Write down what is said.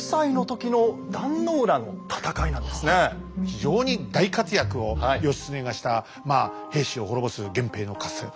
非常に大活躍を義経がした平氏を滅ぼす源平の合戦。